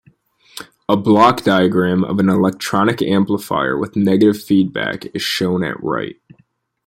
A block diagram of an electronic amplifier with negative feedback is shown at right.